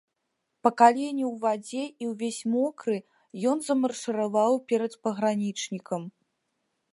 Па калені ў вадзе і ўвесь мокры, ён замаршыраваў перад пагранічнікам.